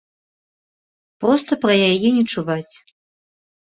Проста пра яе не чуваць.